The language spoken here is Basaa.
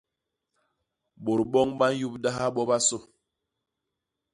Bôt boñ ba nyubdaha bobasô.